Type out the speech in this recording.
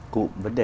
cụ vấn đề